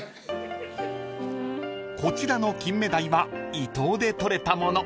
［こちらのキンメダイは伊東で取れたもの］